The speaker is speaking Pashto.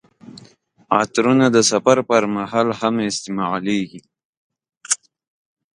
عطرونه د سفر پر مهال هم استعمالیږي.